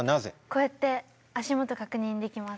こうやって足元確認できます。